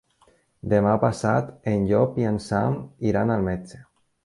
Demà passat en Llop i en Sam iran al metge.